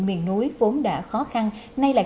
miền núi vốn đã khó khăn nay là